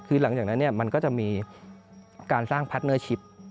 คือหลังจากนั้นมันก็จะมีการสร้างพาร์ทเนอร์ชิป